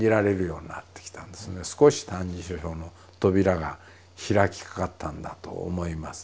少し「歎異抄」の扉が開きかかったんだと思います。